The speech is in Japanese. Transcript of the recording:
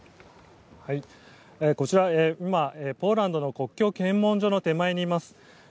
今、ポーランドの国境検問所の手前にいます。